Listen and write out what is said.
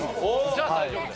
じゃあ大丈夫だよ。